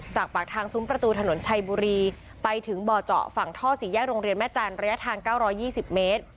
จากปากทางซุ้มประตูถนนชัยบุรีไปถึงบ่อเจาะฝั่งท่อสี่แยกโรงเรียนแม่จันทร์ระยะทาง๙๒๐เมตร